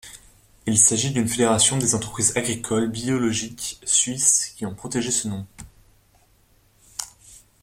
Il s'agit d'une fédération des entreprises agricoles biologique suisses qui ont protégé ce nom.